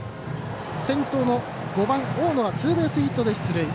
先頭の５番、大野がツーベースヒットで出塁。